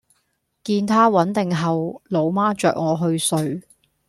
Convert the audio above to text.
見她穩定後，老媽著我去睡